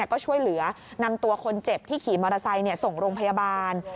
ก็ช่วยเหลือนำตัวคนเจ็บที่ขี่มอเตอร์ไซค์ส่งโรงพยาบาล